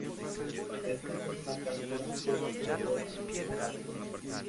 El fruto es una cápsula sub globosa con dos valvas.